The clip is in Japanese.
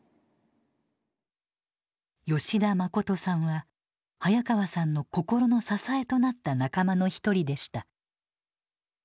吉田信さんは早川さんの心の支えとなった仲間の一人でした。